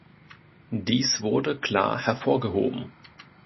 Dies wurde klar hervorgehoben.